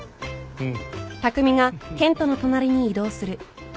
うん。